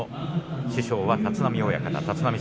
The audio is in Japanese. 師匠は立浪親方です。